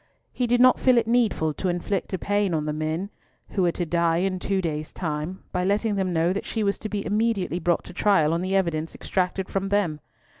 He did not feel it needful to inflict a pang on the men who were to die in two days' time by letting them know that she was to be immediately brought to trial on the evidence extracted from them.